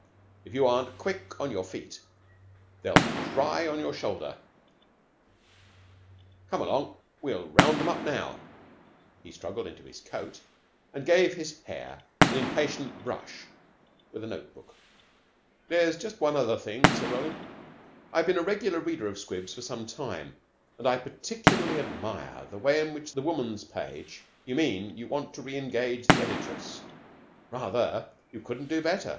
If you aren't quick on your feet, they'll cry on your shoulder. Come along, and we'll round them up now." He struggled into his coat, and gave his hair an impatient brush with a note book. "There's just one other thing," said Roland. "I have been a regular reader of 'Squibs' for some time, and I particularly admire the way in which the Woman's Page " "You mean you want to reengage the editress? Rather. You couldn't do better.